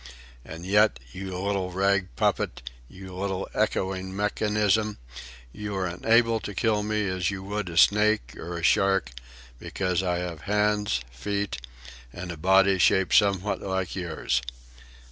And yet, you little rag puppet, you little echoing mechanism, you are unable to kill me as you would a snake or a shark, because I have hands, feet, and a body shaped somewhat like yours.